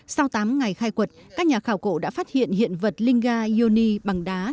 sau tám ngày khai quật các nhà khảo cổ đã phát hiện hiện vật linga yoni bằng đá